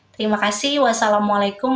terima kasih wassalamualaikum